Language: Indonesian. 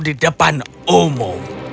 di depan umum